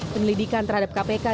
penelidikan terhadap kpk